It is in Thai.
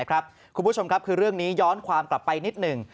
คุณผู้ชมครับคือเรื่องนี้ย้อนความกลับไปนิดหนึ่ง